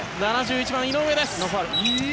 ７１番、井上です。